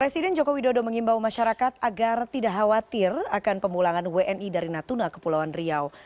presiden jokowi dodo mengimbau masyarakat agar tidak khawatir akan pemulangan wni dari natuna ke pulau andriau